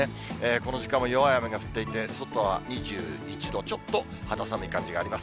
この時間も弱い雨が降っていて、外は２１度、ちょっと肌寒い感じがあります。